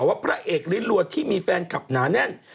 ว่าพระเอกลิ้นรัวที่มีแฟนคลับหนาแน่น